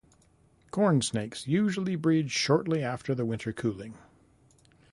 Corn snakes usually breed shortly after the winter cooling.